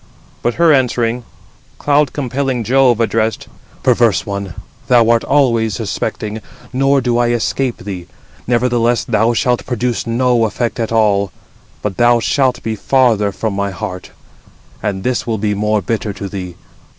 But her answering, cloud compelling Jove addressed: "Perverse one! thou art always suspecting, nor do I escape thee. Nevertheless thou shalt produce no effect at all, but thou shalt be farther from my heart: and this will be more bitter to thee.